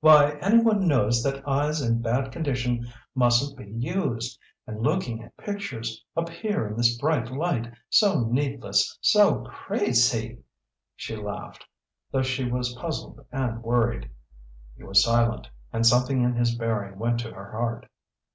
Why any one knows that eyes in bad condition mustn't be used. And looking at pictures up here in this bright light so needless so crazy," she laughed, though she was puzzled and worried. He was silent, and something in his bearing went to her heart.